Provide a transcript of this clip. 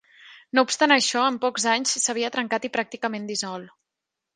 No obstant això, en pocs anys s'havia trencat i pràcticament dissolt.